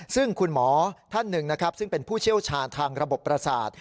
ซึ่งคุณหมอท่านหนึ่งนะครับซึ่งเป็นผู้เชี่ยวชาญทางระบบประสาท